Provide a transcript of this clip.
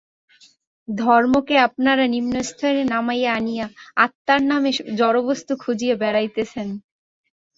ধর্মকে আপনারা নিম্নস্তরে নামাইয়া আনিয়া আত্মার নামে জড়বস্তু খুঁজিয়া বেড়াইতেছেন।